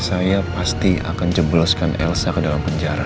saya pasti akan jebloskan elsa ke dalam penjara